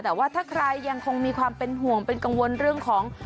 แต่ว่าถ้าใครยังคงมีความเป็นห่วงเป็นกังวลเรื่องของ